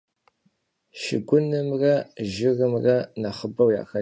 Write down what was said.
Şşıgunımre jjırımre nexhıbeu yaxelhır ğuş'ş.